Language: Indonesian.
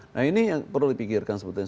nah ini yang perlu dipikirkan sebetulnya